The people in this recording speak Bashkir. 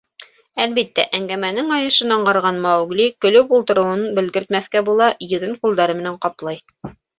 Әлбиттә, әңгәмәнең айышын аңғарған Маугли, көлөп ултырыуын белгертмәҫкә була, йөҙөн ҡулдары менән ҡаплай.